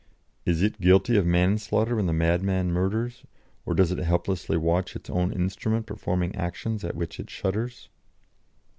Is it guilty of manslaughter when the madman murders, or does it helplessly watch its own instrument performing actions at which it shudders?